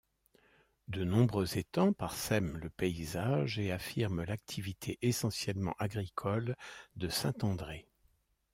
De nombreux étangs parsèment le paysage et affirment l’activité essentiellement agricole de Saint-André.